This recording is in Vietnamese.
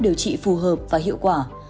điều trị phù hợp và hiệu quả